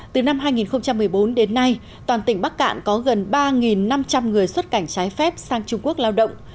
từ năm hai nghìn một mươi bốn đến nay toàn tỉnh bắc cạn có gần ba năm trăm linh người xuất cảnh trái phép sang trung quốc lao động